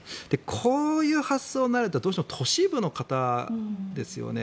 こういう発想になるのはどうしても都市部の方ですよね。